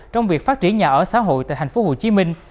trong việc phát triển nhà ở xã hội tại thành phố hồ chí minh